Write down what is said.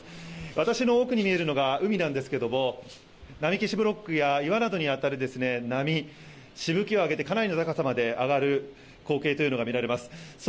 私の奥に見えるのが海なんですが波消しブロックや岩などに当たり波しぶきを上げてかなりの高さにまで上がる光景が見受けられます。